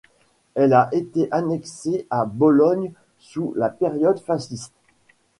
Elle a été annexée à Bologne sous la période fasciste.